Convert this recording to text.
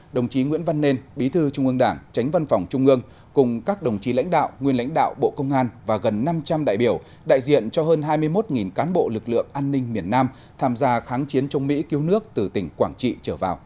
đồng chí nguyễn văn nên bí thư trung ương đảng tránh văn phòng trung ương cùng các đồng chí lãnh đạo nguyên lãnh đạo bộ công an và gần năm trăm linh đại biểu đại diện cho hơn hai mươi một cán bộ lực lượng an ninh miền nam tham gia kháng chiến chống mỹ cứu nước từ tỉnh quảng trị trở vào